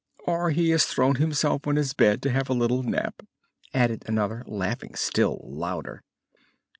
"Or he has thrown himself on to his bed to have a little nap," added another, laughing still louder.